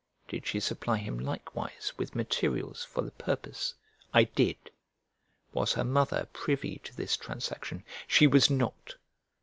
Did she supply him likewise with materials for the purpose? "I did." Was her mother privy to this transaction? "She was not."